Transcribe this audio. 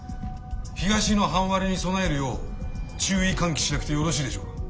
東の半割れに備えるよう注意喚起しなくてよろしいでしょうか？